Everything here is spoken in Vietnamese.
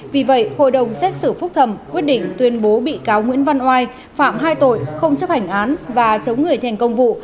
vì vậy hội đồng xét xử phúc thẩm quyết định tuyên bố bị cáo nguyễn văn oai phạm hai tội không chấp hành án và chống người thành công vụ